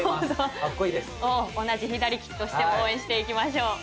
同じ左利きとして応援していきましょう。